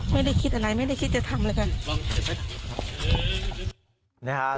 ไม่ได้คิดอะไรไม่ได้คิดจะทำอะไรกัน